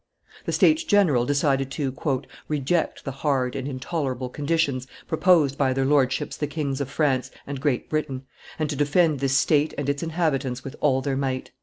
The States General decided to "reject the hard and intolerable conditions proposed by their lordships the Kings of France and Great Britain, and to defend this state and its inhabitants with all their might."